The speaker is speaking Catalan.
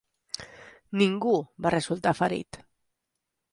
Ningú va resultar ferit.